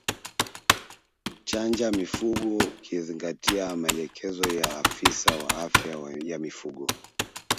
Chanja mifugo ukizingatia maelezo ya afisa wa afya ya mifugo